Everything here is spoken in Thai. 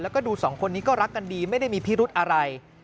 แล้วก็ดูสองคนนี้ก็รักกันดีไม่ได้มีพิรุธอะไร